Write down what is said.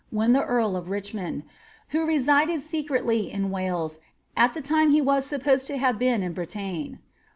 when the earl of Richmond, who resided se cretly in Wales, at the time he was supposed to have been in Bretagne.